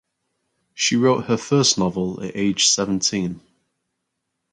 She wrote her first novel at age seventeen.